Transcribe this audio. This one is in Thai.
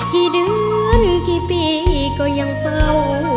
กี่เดือนกี่ปีก็ยังเฝ้า